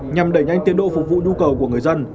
nhằm đẩy nhanh tiến độ phục vụ nhu cầu của người dân